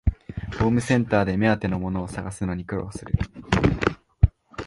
ホームセンターで目当てのものを探すのに苦労する